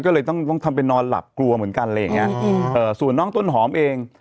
ก็เลยต้องต้องทำไปนอนหลับกลัวเหมือนกันอะไรอย่างเงี้ยอืมเอ่อส่วนน้องต้นหอมเอง